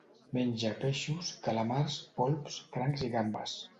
Menja peixos, calamars, polps, crancs i gambes.